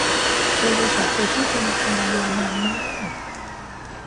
โทรศัพท์ไปที่ธนาคาร รอนานมาก